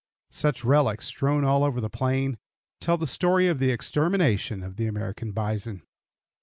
Such relics, strewn all over the plain, tell the story of the extermination of the American bison.